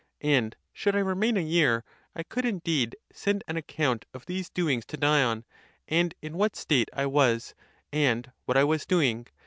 And should I remain a year, I could indeed send an account of these doings to Dion, and in what state I was, and what I was doing.